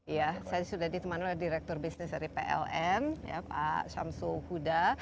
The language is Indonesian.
ya saya sudah ditemani oleh direktur bisnis dari pln pak syamsul huda